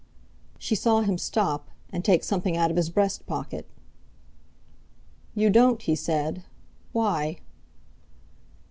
She saw him stop, and take something out of his breast pocket. "You don't?" he said. "Why?"